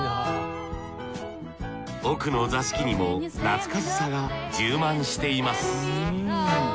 奥の座敷にも懐かしさが充満しています。